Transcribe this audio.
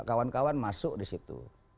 kawan kawan masuk di situ